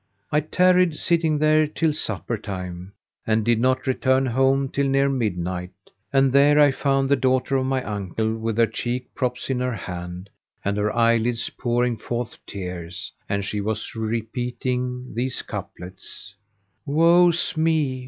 [FN#489]. I tarried sitting there till supper time and did not return home till near midnight; and there I found the daughter of my uncle with her cheek props in her hand and her eyelids pouring forth tears; and she was repeating these couplets, "Woe's me!